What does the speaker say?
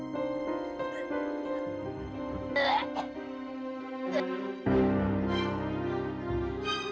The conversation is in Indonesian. kalian balik pa ya ya disposfeld